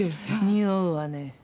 におうわね。